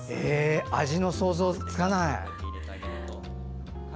味の想像がつかない。